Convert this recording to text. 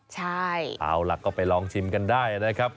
ใช่เอาล่ะก็ไปลองชิมกันได้นะครับ